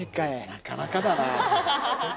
なかなかだな。